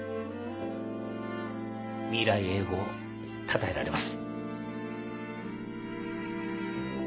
未来永劫たたえられます。